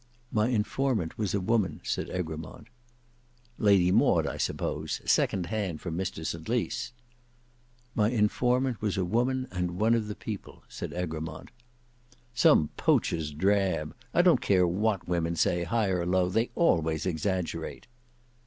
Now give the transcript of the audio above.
"My informant was a woman," said Egremont. "Lady Maud, I suppose; second hand from Mr St Lys." "Mv informant was a woman, and one of the people," said Egremont. "Some poacher's drab! I don't care what women say, high or low, they always exaggerate."